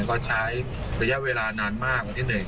ก็ใช้อนุญาตเวลานานมากกว่าที่หนึ่ง